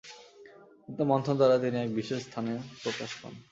কিন্তু মন্থন দ্বারা তিনি এক বিশেষ স্থানে প্রকাশ পান।